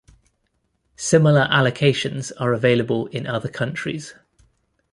Similar allocations are available in other countries.